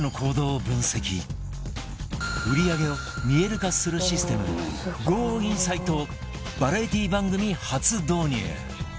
売り上げを見える化するシステム ＧｏＩｎｓｉｇｈｔ をバラエティー番組初導入